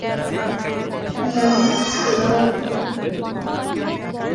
তিনি London school of ইকোনমিক্সে ভর্তি হন।